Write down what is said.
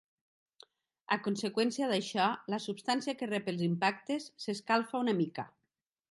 A conseqüència d'això, la substància que rep els impactes s'escalfa una mica.